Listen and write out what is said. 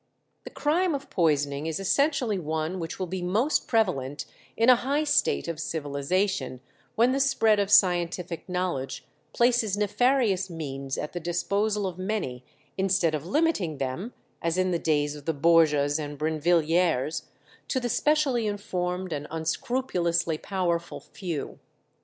The crime of poisoning is essentially one which will be most prevalent in a high state of civilization, when the spread of scientific knowledge places nefarious means at the disposal of many, instead of limiting them, as in the days of the Borgias and Brinvilliers, to the specially informed and unscrupulously powerful few.